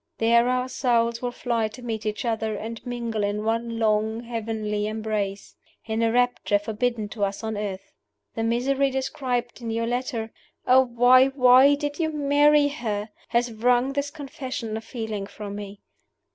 There our souls will fly to meet each other, and mingle in one long heavenly embrace in a rapture forbidden to us on earth. The misery described in your letter oh, why, why did you marry her? has wrung this confession of feeling from me.